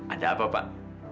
ada apa pak